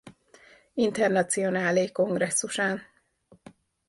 Internacionálé kongresszusán.